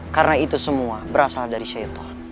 karena itu semua berasal dari syaitan